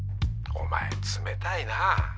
お前冷たいな。